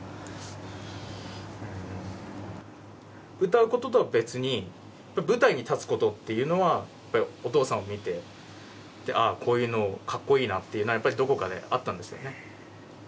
歌うこととは別に舞台に立つことっていうのはやっぱりお父さんを見てこういうのかっこいいなっていうのはやっぱりどこかであったんですよね。